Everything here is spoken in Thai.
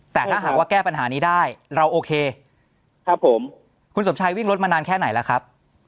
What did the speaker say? แต่ถ้าหากว่าแก้ปัญหานี้ได้เราโอเคครับผมคุณสมชายวิ่งรถมานานแค่ไหนล่ะครับ